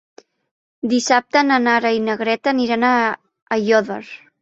Dissabte na Nara i na Greta aniran a Aiòder.